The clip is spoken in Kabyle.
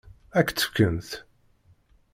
Ad k-tt-fkent?